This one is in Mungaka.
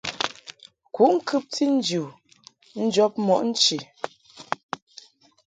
Kuʼ ŋkɨbti nji u njɔb mɔʼ nchi.